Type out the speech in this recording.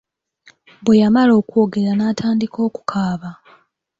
Bwe yamala okwogera n'atandika okukaaba.